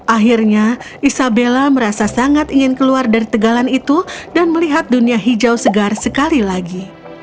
akhirnya isabella merasa sangat ingin keluar dari tegalan itu dan melihat dunia hijau segar sekali lagi